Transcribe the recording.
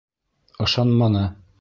Ышанманы.